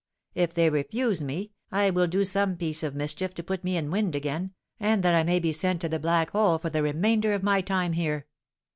If they refuse me, I will do some piece of mischief to put me in wind again, and that I may be sent to the black hole for the remainder of my time here.